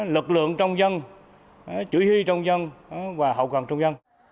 lực lượng trong dân chủ hy trong dân và hậu cần trong dân